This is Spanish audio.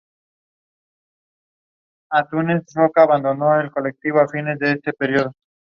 Entertainment One adquirió los derechos de distribución para el Reino Unido e Irlanda.